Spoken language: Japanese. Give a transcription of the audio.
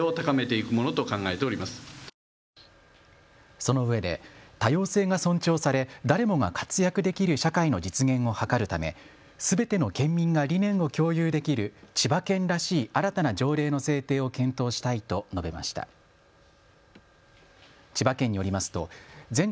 そのうえで多様性が尊重され誰もが活躍できる社会の実現を図るためすべての県民が理念を共有できる千葉県らしい新たな条例の制定を検討したいと述べました。